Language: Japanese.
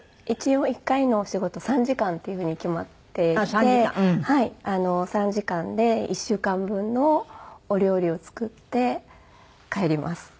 一応１回のお仕事３時間っていうふうに決まっていて３時間で１週間分のお料理を作って帰ります。